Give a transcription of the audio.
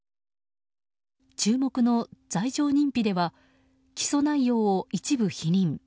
注目の罪状認否では起訴内容を一部否認。